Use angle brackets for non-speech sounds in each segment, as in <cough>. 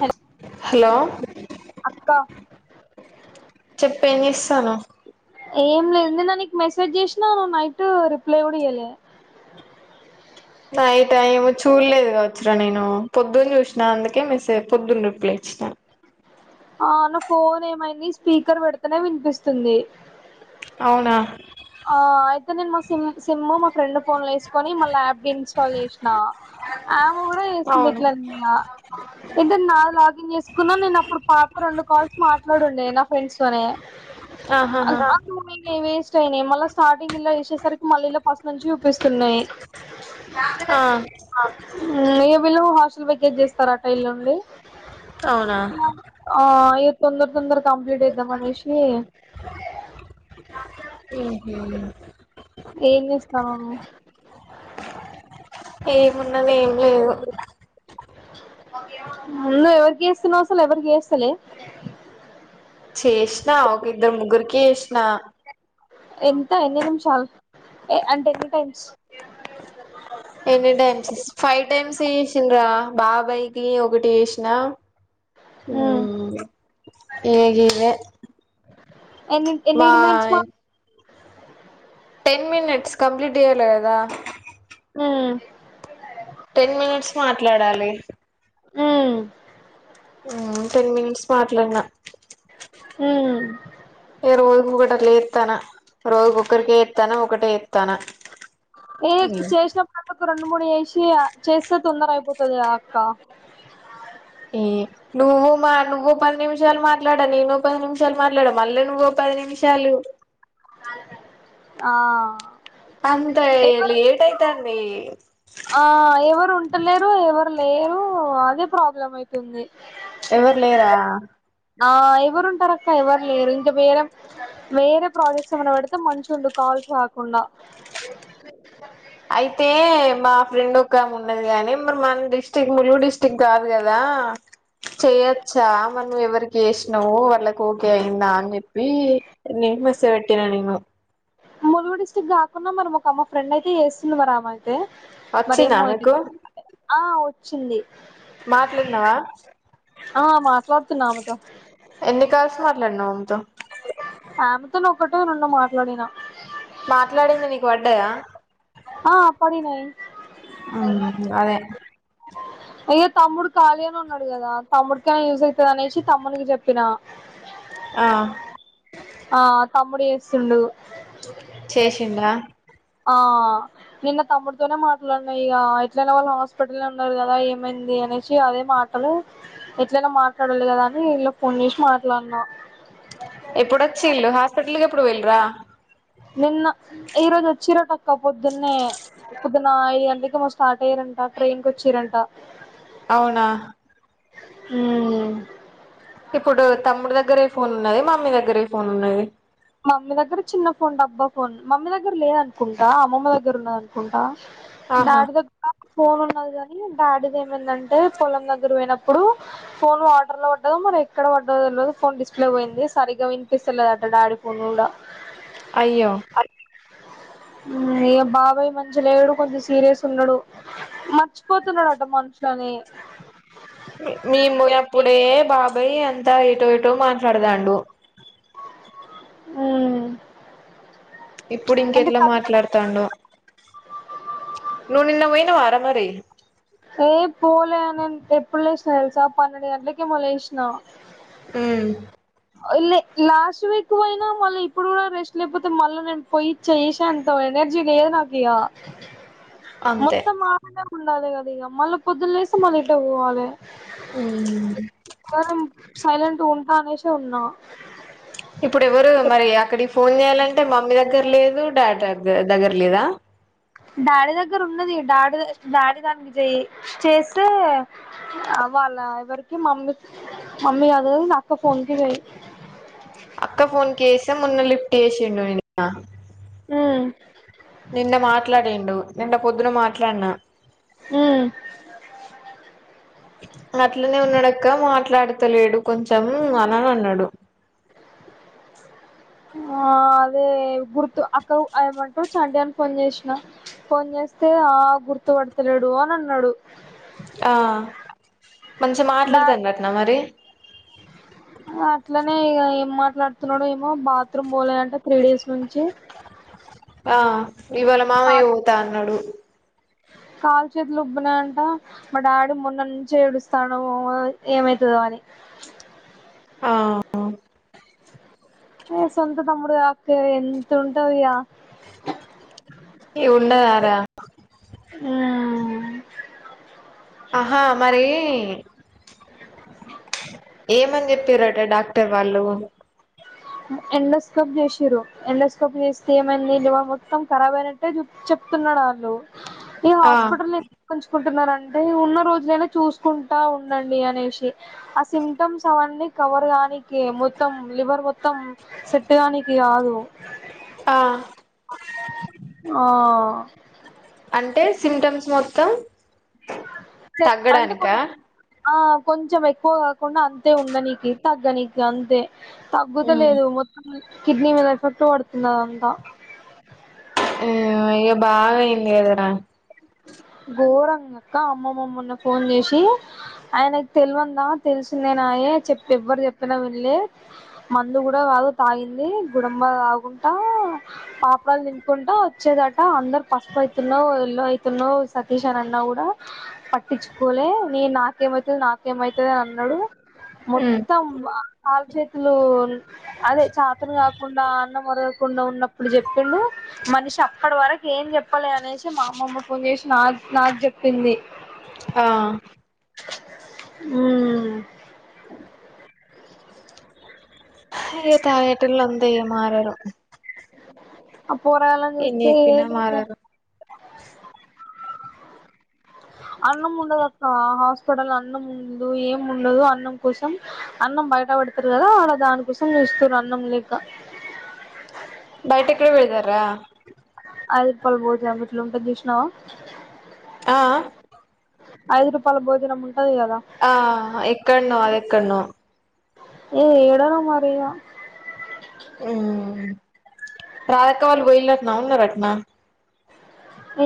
Hello hello అక్క చెప్పేం చేస్తానవ్ ఏం లేదు నిన్న నీకు మెసేజ్ చేసినా నువ్వు నైట్ రిప్లై కూడా ఇయ్యలే నైట ఏమో చూడలేదు కావచ్చురా నేను పొద్దుని చూసినా అందుకే మెసెజ్ పొద్దున్న రిప్లై <unintelligible> ఆ నా ఫోన్ ఏమైంది. స్పీకర్ పెడతేనే వినిపిస్తుంది. అవునా ఆ అయితే నేను మా సిమ్ సిమ్ మా ఫ్రెండ్ ఫోన్ లో వేసుకు కానీ మల్ల అప్ నీ రీ ఇన్స్టాల్ చేసిన ఆమె కూడా చేసింది అవును ఇట్ల నే ఇగ నా లాగిన్ చేసుకున్నా నేను అప్పుడు పాప రెండు కాల్స్ మాట్లాడుండే నా ఫ్రెండ్స్ తోనే ఆ ఆహాహా నాకూ మిదే వేసు మేమల స్టార్టింగ్ ఇలా చేసేసరికి మళ్ళ ఇల్ల ఫస్ట్ నుంచి చూపిస్తున్నాయి. ఆ ఇ వీళ్ళు హాస్టల్ వెకేజ్ చేస్తారాట ఎల్లుండి. అవునా ఆ ఏ తొందర తొందర కంప్లీట్ చేద్దాం ఆనేషి ఉహ్ ఏం చేస్తాన్నావు నువ్వు ఏమున్నది ఏం లేదు నువ్వు ఎవరి చేస్తున్నావ్ అస్సలు ఎవరి చేస్తలే చేసినా ఒక ఇద్దరు ముగ్గురికి చేసినా ట అంట ఎన్నీ టైమ్స్ ఎన్నీ టైమ్స్ ఫైవ్ టైమ్స్ చేసిన్రా బాబాయికి ఒకటి చేసినా ఉమ్ హ్ ఇగ గువ్వే ఎన్ని ఎన్ని డిమాండ్స్ మా టెన్ మినిట్స్ కంప్లీట్ చేయ్యాలేదా హ్ టెన్ మినిట్స్ మాట్లాడాలి. హ్ హ్ టెన్ మినిట్స్ మాట్లాడినా హ్ ఇగ రోజుకొకటి అట్లా చెత్తన్న రోజుకొకటే చెత్తన్న ఒకటే చెత్తన్న ఏ చేసినప్పుడల్లా రెండు మూడు చేసి చేస్తే తొందర అయిపోతుదిగా అక్క ఏ నువ్వు మా నువ్వు పది నిమిషాలు మాట్లాడా నేను పది నిమిషాలు మాట్లాడ మళ్ళీ నువ్వు ప పది నిమిషాలు ఆ అంత ఏ ఎవరు లేట్ అయితాంది ఆ ఎవరు ఉంటలేరు ఎవరు లేరు అదే ప్రాబ్లం అయితుంది ఎవరు లేరా ఆ ఎవరు ఉంటారు అక్క ఎవరు లేరు ఇంకా వేరే వేరే ప్రాజెక్ట్స్ ఏమైనా పెడితే మంచిగుండు కా ల్స్ గాకుండా అయితే మా ఫ్రెండ్ ఒకామె ఉన్నది గాని మరి మన డిస్టిక్ ములుగు డిస్టిక్ కాదు కదా ఆ చేయొచ్చా మనం ఎవరికి చేసినవ్ వాళ్ళకి ఓకే అయిందా అని చెప్పి నే మెస్ పెట్టిన నీ ను ములుగు డిస్టిక్ కాకుండా మనం ఒక ఆమె ఫ్రెండ్ అయితే చేస్తుంది మారామె తే వచ్చిందా మరేమో ఆమెకు ఆ వచ్చింది మాట్లాన్నవ్వా ఆ మాట్లాడుతున్నా ఆమెతో ఎన్ని కాల్స్ మాట్లాడినావు ఆమెతో ఆమెతోను ఒకటో రెండో మాట్లాడిన మాట్లాడింది నీకు పడ్డాయా ఆ పడినాయి ఆ అదే అయ్యో తమ్ముడు ఖాళీ గానే ఉన్నాడు కదా తమ్ముడికైనా యూజ్ అయితది అనేసి తమ్మునికి చెప్పినా ఆ ఆ తమ్ముడు చేస్తుండు చేసిండా ఆ నిన్న తమ్ముడుతోనే మాట్లాడిన ఇగ ఎట్లయినా వాళ్ళు హాస్పిటల్లో ఉన్నారు కదా ఏమైంది దనేసి అదే మాటలు ఎట్లైనా మాట్లాడాలి కదా అని ఇగ ఫోన్ చేసి మాట్లాడినా <inaudible> ఎప్పుడొచ్చిల్లు హాస్పిటల్కి ఎప్పుడు పోయిల్లు రా నిన్న ఈరోజు వచ్చిరటక్క పొద్దున్నే పొద్దున ఐదు గంటలకి మో స్టాట్ అయ్యారంట ట్రైన్ కి వచ్చిరంట అవునా ఊమ్ ఇప్పుడు తమ్ముడి దగ్గర ఏ ఫోన్ ఉన్నది మమ్మీ దగ్గర ఏ ఫోన్ ఉన్నది మమ్మీ దగ్గర చిన్న ఫోన్ డబ్బా ఫోన్ మమ్మీ దగ్గర లేదనుకుంటా అమ్మమ్మ దగ్గర ఉన్నదనుకుంటా ఆహా డాడీ దగ్గర ఫోన్ ఉన్నది గాని డాడీది ఏమైందంటే పొలం దగ్గర పోయినప్పుడు ఫోన్ వాటర్లో పడ్డదో మరి ఎక్కడ పడ్డదో తెల్వదు ఫోన్ డిస్ప్లే పోయింది సరిగ్గా వినిపిస్తలేదట డాడీ ఫోన్ కూడా అయ్యో ఇగ బాబాయ్ మంచి లేడు కొంచెం సీరియస్ ఉన్నాడు మర్చిపోతున్నాడట మనుషులని మేము అప్పుడే బాబాయ్ అంతా ఎటో ఎటో మాట్లాడతాండు ఊమ్ ఇప్పుడు ఇంకెట్లా మాట్లాడతాండో నువ్వు నిన్న పోయినవా రా మరి న ఎప్పుడు లేసిన తెలుసా పన్నెడుంటలకి మలేష్న మ్మ్ లాస్ట్ వీక్ పోయినా మళ్ళీ ఇప్పుడు కూడా రెస్ట్ లేకపోతే మళ్ళీ నేను పోయి చేసా అంత ఎనర్జీ లేదునాకియా అంతే మొత్తం మాడానే ఉండాలి కదా ఇక మళ్ళీ పొద్దులేసి మళ్ళీ ఇట్లక్ పోవాలే ఉమ్ నేను సైలెంట్ ఉంటా అనేసె ఉన్నా ఇప్పుడు ఎవ్వరు మరి అక్కడి ఫోన్ చేయాలంటే మమ్మీ దగ్గర లేదు డాడీ దగ్గ దగ్గర లేదా డాడీ దగ్గర ఉన్నది డాడీ డాడీ దానికి చేయ్ చేస్తే అవాల ఎవరికి మమ్ మమ్మీ కాదుకని అక్క ఫోన్ కి చెయ్ అక్క ఫోన్ కేసే మున్న లిఫ్ట్ చేసిండు నిన్న ఉమ్ నిన్న మాట్లాడిండు నిన్న పొద్దున మాట్లాడినా ఉమ్ అట్లనే ఉన్నాడక్క మాట్లాడతలేడు కొంచెం అనని అన్నాడు ఆ అదే గుర్తు అక్క ఏమంటారు చంటి గాని ఫోన్ చేసినా ఫోన్ చేస్తే ఆ గుర్తుపడతలేడు అని అన్నాడు ఆ మంచిగా డా మాట్లాడతండాటన మరి అట్లనే ఇగ ఏం మాట్లాడుతున్నాడు ఏమో బాత్రూమ్ పోలే అంటే త్రీ డేస్ నుంచి అ ఇవాళ మామయ్య కాల్ పోతా అన్నాడు కాలు చేతులు ఉబ్బిన అంట మా డాడీ మొన్న నుంచే ఏడుస్తాండు ఏమయితదో అని ఆ ఏ సొంత తమ్ముడు గ అక్క ఎంత ఉంటది ఇగ ఈ ఉండదారా ఉమ్ ఆహా మరి ఏమని చెప్పారట డాక్ క్టర్ వాళ్ళు ఎండోస్కోప్ చేసిర్రు ఎండోస్కోప్ చేస్తే ఏమైంది లివర్ మొత్తం కరాబ్ అయినట్టే చు చె ప్తుతున్నా డళ్ళు ఇగ ఆ హాస్పిటల్ కొంచ కుంటున్నారంటే ఉన్న రోజు చూకుంటా ఉండండి అనేసి ఆ సింటమ్స్ అవన్నీ కవర్గానికె మొత్తం లివర్ మొత్తం సెట్టు గానికి కాదు ఆ ఆ అంటే సిమ్టమ్స్ మొత్తం అంటే తగ్గడానిక కొంచెం ఆ కొంచెం ఎక్కువ కాకుండా అంతే ఉండ నీకు తగ్గ నీకు అంతే ఉ తగ్గుతలేదు మొత్తం కిడ్నీ మీద ఎఫెక్ట్ పడుతున్నదంతా అయ్యో బాగా అయింది కద రా ఘోరంగా క్క అమ్మమ్మ మొన్న ఫోన్ చేసి ఆయనకి తెలవందా తెలిసిందే యే చె ఎవ్వరు చెప్పినా వెళ్ళ మందు కూడా కాదు తాగింది గుడంబ తాగు పాపడాలు తినుకుంటా వచ్చేదట అందరు పసుపు అవుతున్నవ్ ఎల్ల్లో అయితున్నావు సతీష్ అని అన్నా కూడా పట్టించుకోలే నే నాకేమైతది నాకేమైతది అని అన్నాడు మొత్తం కాల్ చేతులు అదే చతన కాకుండా అన్నమరగకు చెకుండా ఉన్నప్పుడు చెప్పిండు మనిషి అప్పటి వరకు ఏం చెప్పాలే అనేసి మా అమ్మమ్మ ఫోన్ చేసి నాక్ నాకు చెప్పింది ఆ ఉమ్ ఇగ తాగెటోళ్లు అంతే ఇగ మారారు పోరాగాళ్ళను చూస్తే ఏ చెప్పినా మారరు అన్నం ఉండదు అక్క హాస్పిటల్ అన్నం ఉండదు ఏం ఉండదు అన్నం కోసం అన్నం అం బయట పెడతారు కదా వాడ దానికోసం ఇస్తారు అన్నం లేక బయట ఎక్కడ పెడతారా ఐదు రూపాయల భోజనం ఇట్లా ఉంటని చూసినావు ఆ ఆ ఐదు రూపాయల భోజనం ఉంటది కదా ఆ ఎక్కడ నో అది ఎక్కడ నో ఆ ఏడనో మరి ఇగ ఉ రాధక్క వాళ్ళు పోయినరటన ఉన్నరటన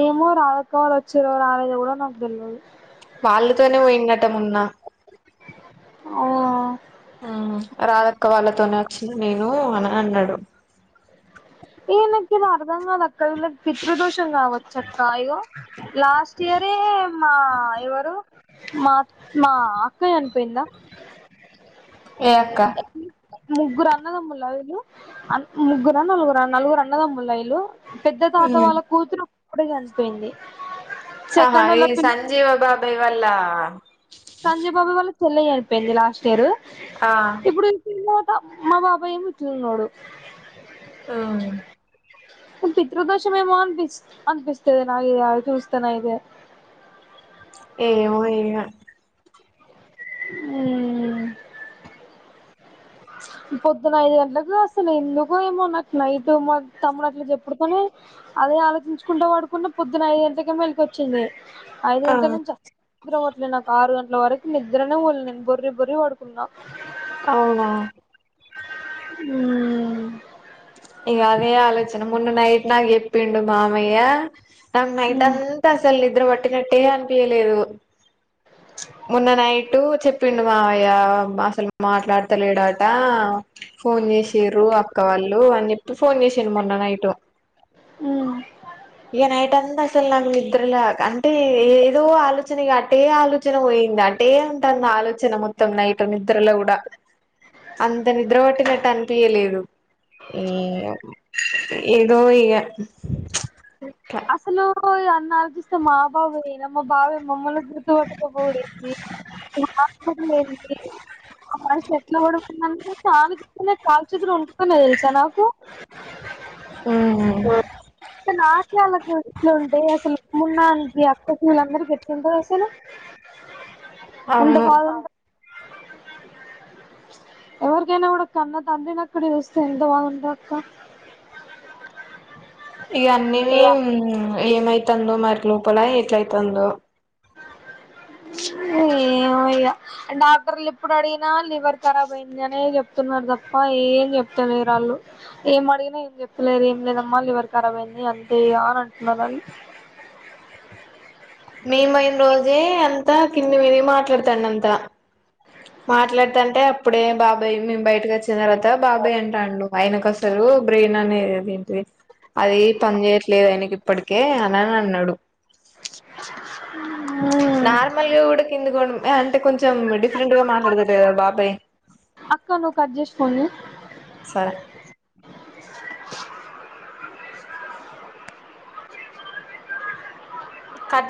ఏమో రాధ అక్క వాళ్లు వచ్చిందో రాలేదు కూడా నాకు తెల్లదు వాళ్ళతోనే పోయిండట మోన్నా ఆ ఉ రాదక్క వాళ్ళతోనే వచ్చిన నేను అని అన్నాడు ఏ నాకి అర్ధాం కాలే అక్కడ వాళ్లకు పితృ దోషం కావచ్చ అక్క ఈగో లాస్ట్ ఇయరే మా ఎవరు మా మా అక్క చనిపోయిందా దక్క ముగ్గురు అన్నదమ్ముల ఇలు ముగ్గురా నలుగురు నలుగురు అన్నదమ్ముల ఇలు పెద్ద తాత వాళ్ళ కూతురు ఇప్పుడేచనిపోయింది ఆహా ఈ సంజీవ బాబాయ్ వాళ్ళ సంజయ్ బాబాయ్ వాళ్ళ చెల్లె చనిపోయింది లాస్ట్ ఇయర్ ఆ ఇప్పుడు మా బాబాయేమో చిన్నోడు ఆ పితృ దోషమేమో అని పిస్తది నాకు చూస్తానయితే టీవీ సౌండ్ ఏమో ఇగ ఉ చ్ పొద్దున ఐదు గంటలకు అసలు ఎందుకు ఏమోన్న నైట్ తమ్ముడు అట్లు చెప్పుడుతోనే అదే ఆలోచించుకుంటా పడుకున్నా పొద్దున ఐదు గంటల కె మెలుకువ వచ్చింది ఐదు ఆ గంటల నుంచి నిద్ర పట్టలే నాకు ఆరు గంటల వరకు నిద్రనే పోలే నేను బర్రి బర్రి పడుకున్నా అవునా ఉ ఇక అదే ఆలోచన మున్న నైట్ చెప్పిండు మామయ్య నైట్ మ్మ్ అంతా అసలు నిద్ర పట్టి నట్టే అనిపయలేదు మొన్న నైట్ చెప్పిండు మామయ్య అసలు మాట్లాడతలేడట ఫోన్ చేసారు అక్క వాళ్ళు అని చెప్పి ఫోన్ చేసారు మొన్న నైట్ మ్మ్ ఇక నైట్ అంతా నిద్ర లేదు అంటే ఏదో ఆలోచనగా అటే ఆలోచన పోయింది అటే ఉంటుంది ఆలోచన మొత్తం మొత్తం నైటు నిద్రలో కూడా అంత నిద్ర పట్టినట్టటు అనిపయలేదు ఏ ఏదో ఇగ అసలు పోయి అన్న ఆలోచిస్తే మాబావ ఏయినా మా బావే మమ్మల్ని గుర్తుపట్టుకపోడంది ఈగ మా కోసమేముంది మనిషి ఎట్లా పడుకుందటే ఆలోచిస్తేనే కాళ్లు చేతులు అణుకుతున్నా తెలుసా నాకు ఉ హు ఎట్లా ఉండే అసలు మున్నా అగి అక్కలా అందరిలా ఉంద అసలు ఎంత అవును బాధ ఉంటది ఎవరికైనా కూడా కన్న తండ్రిని అక్కడ చూస్తే ఎంత బాధ ఉంటది అక్క ఇగ అన్నీ ఇగ ఏమైతుందో మరి లోపల ఎట్లయితదో ఏమయ్యా డాక్టర్లు ఎప్పుడు అడిగినా లివర్ కరాబ్ అయింది అని చెప్తున్నారు తప్ప ఏం చెప్తలేరు వాళ్ళు ఏం అడిగినా ఏం చెప్లేరు ఏం లేదమ్మా వాళ్ళు ఎవరి ఖరాబ్ అయింది అంతే <unintelligible> నేను పోయిన రోజే అంతా కింది మని మాట్లాడతాండ అంతా మాట్లాడుత అంటే అప్పుడే బాబాయ్ మేము బయటకి వచ్చిన తర్వాత బాబాయ్ అంటాండు మా ఆయన కసలు బ్రెయిన్ అనేదిది ఏంటిది అది పని చేయట్లేదు ఆయనకి ఇప్పటికే అని అని అన్నాడు నార్మల్గా కూడా కిందకోం అంటే కొంచెం కొంచం డిఫరెంట్గా మాట్లాడతడు కదా వాళ్ళ బాబాయ్ అక్క నువ్వు కట్ చేసి సరే ంది కట్ చేయి.